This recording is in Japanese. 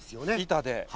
板で。